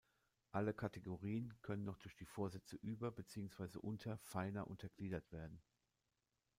Alle Kategorien können noch durch die Vorsätze „Über-“ beziehungsweise „Unter-“ feiner untergliedert werden.